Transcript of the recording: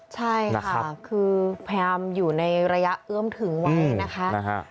ใช่ค่ะคือพยายามอยู่ในระยะเอื้อมถึงไว้นะคะ